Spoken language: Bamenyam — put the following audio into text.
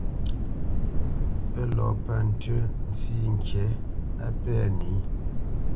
Pə́ lɔ pə̂ ntʉ́ ntsî ŋkǐ á pɛ̂ nǐ.